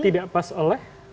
tidak pas oleh